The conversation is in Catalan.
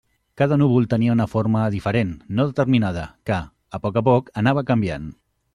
Cada núvol tenia una forma diferent, no determinada, que, a poc a poc, anava canviant.